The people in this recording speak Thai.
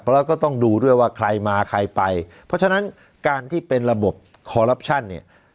แล้วก็ต้องดูด้วยว่าใครมาใครไปเพราะฉะนั้นการที่เป็นระบบคอลลับชั่นเนี่ย